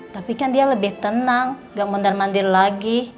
tapi kan dia lebih tenang gak mondar mandir lagi